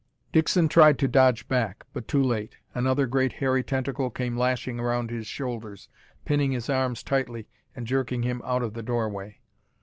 Dixon tried to dodge back, but too late. Another great hairy tentacle came lashing around his shoulders, pinning his arms tightly and jerking him out of the doorway.